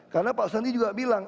karena pak sandi juga bilang